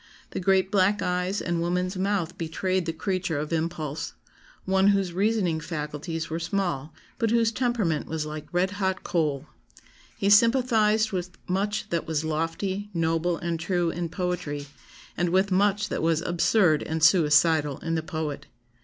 The great black eyes and woman's mouth betrayed the creature of impulse; one whose reasoning faculties were small, but whose temperament was like red hot coal. He sympathised with much that was lofty, noble, and true in poetry, and with much that was absurd and suicidal in the poet.